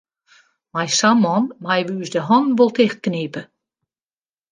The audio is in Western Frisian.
Mei sa'n man meie wy ús de hannen wol tichtknipe.